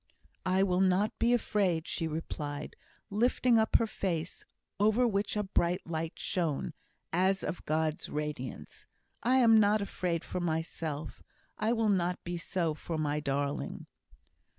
"I will not be afraid," she replied, lifting up her face, over which a bright light shone, as of God's radiance. "I am not afraid for myself. I will not be so for my darling."